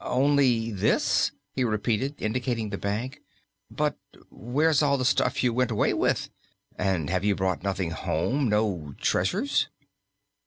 "Only this?" he repeated, indicating the bag. "But where's all the stuff you went away with? And have you brought nothing home no treasures?"